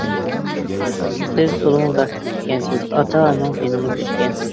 سىز تولىمۇ بەختلىك ئىكەنسىز، ئاتا-ئانىڭىز يېنىڭىزدا ئىكەن.